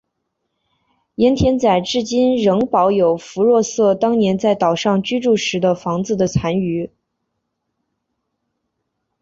盐田仔至今仍保有福若瑟当年在岛上居住时的房子的残余。